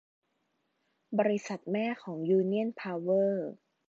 บริษัทแม่ของยูเนี่ยนเพาเวอร์